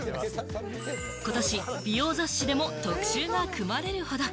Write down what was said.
今年、美容雑誌でも特集が組まれるほど。